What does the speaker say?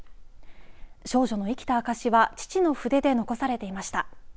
少女の生きた証しは父の筆で残されていました。